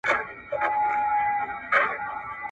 پېړۍ واوښتې قرنونه دي تېریږي.